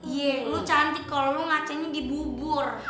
iya lo cantik kalo lo ngacennya di bubur